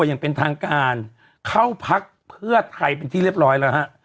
อย่างเป็นทางการเข้าพักเพื่อไทยเป็นที่เรียบร้อยแล้วฮะ